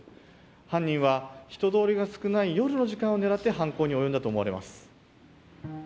犯人は人通りが少ない夜の時間を狙って犯行に及んだとみられます。